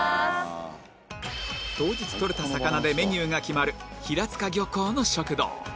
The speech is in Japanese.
当日とれた魚でメニューが決まる平塚漁港の食堂